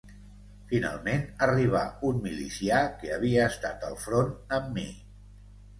Finalment arribà un milicià que havia estat al front amb mi